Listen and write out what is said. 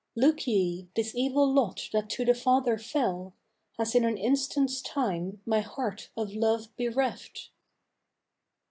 Look ye, this evil lot that to the father fell Has in an instant's time my heart of love bereft!"